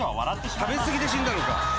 食べ過ぎで死んだのか？